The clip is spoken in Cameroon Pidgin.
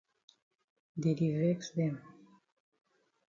Dey di vex dem.